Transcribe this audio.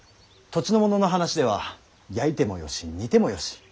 土地の者の話では焼いてもよし煮てもよし。